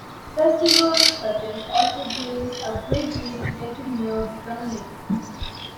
Festivals such as Orchard Days are great ways to get to know the community.